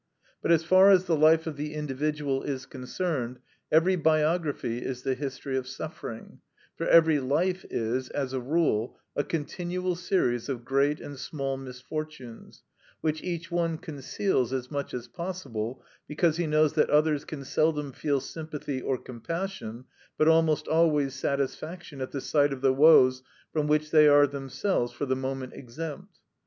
But as far as the life of the individual is concerned, every biography is the history of suffering, for every life is, as a rule, a continual series of great and small misfortunes, which each one conceals as much as possible, because he knows that others can seldom feel sympathy or compassion, but almost always satisfaction at the sight of the woes from which they are themselves for the moment exempt.